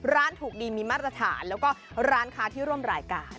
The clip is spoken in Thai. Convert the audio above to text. ร้านถูกดีมีมาตรฐานแล้วก็ร้านค้าที่ร่วมรายการ